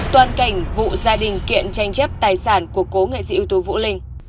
toàn cảnh vụ gia đình kiện tranh chấp tài sản của cô nghệ sĩ ưu tù vũ linh